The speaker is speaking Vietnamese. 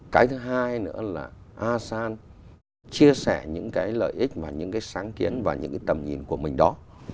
cái thứ hai nữa là asean chia sẻ những cái lợi ích và những cái sáng kiến và những cái tầm nhìn của mình đó